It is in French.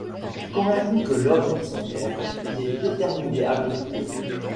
Convaincu que l'homme est son père, il est déterminé à le trouver.